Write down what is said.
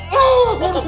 serius ini kemot aduh